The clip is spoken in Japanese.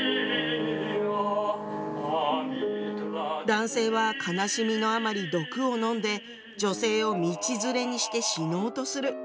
男性は悲しみのあまり毒を飲んで女性を道連れにして死のうとする。